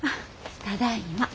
ただいま。